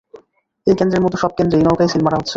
এই কেন্দ্রের মতো সব কেন্দ্রেই নৌকায় সিল মারা হচ্ছে।